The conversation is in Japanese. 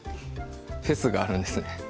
フェスがあるんですね